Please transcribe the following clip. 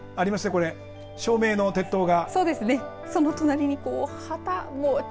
これ照明の鉄塔が。